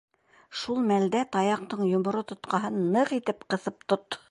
Шул мәлдә таяҡтың йоморо тотҡаһын ныҡ итеп ҡыҫып тот.